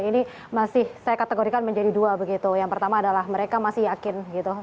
ini masih saya kategorikan menjadi dua begitu yang pertama adalah mereka masih yakin gitu